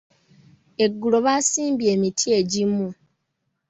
Eggulo baasimbye emiti egimu.